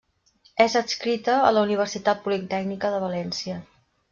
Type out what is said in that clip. És adscrita a la Universitat Politècnica de València.